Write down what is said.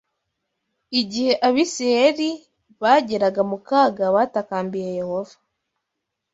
IGIHE Abisirayeli bageraga mu kaga batakambiye Yehova